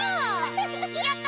やった！